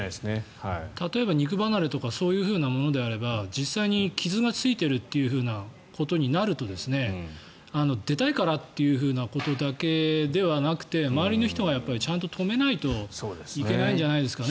例えば肉離れとかそういうものであれば実際に傷がついているということになると出たいからということだけではなくて周りの人がちゃんと止めないといけないんじゃないですかね。